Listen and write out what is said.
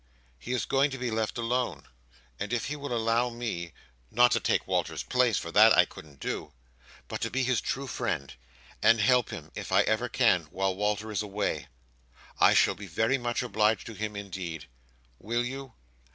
He is going to be left alone, and if he will allow me—not to take Walter's place, for that I couldn't do, but to be his true friend and help him if I ever can while Walter is away, I shall be very much obliged to him indeed. Will you?